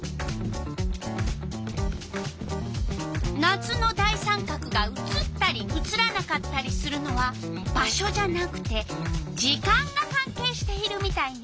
夏の大三角が写ったり写らなかったりするのは場所じゃなくて時間がかんけいしているみたいね。